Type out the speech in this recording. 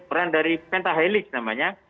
peran dari pentahelix namanya